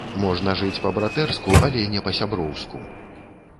Можна жыць па-братэрску, але не па-сяброўску.